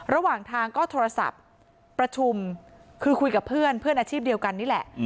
ระหว่างทางก็โทรศัพท์ประชุมคือคุยกับเพื่อนเพื่อนอาชีพเดียวกันนี่แหละ